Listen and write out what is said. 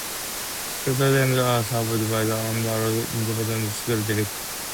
Students are served by the Andrews Independent School District.